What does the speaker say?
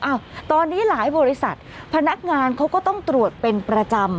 ตอนนี้หลายบริษัทพนักงานเขาก็ต้องตรวจเป็นประจำ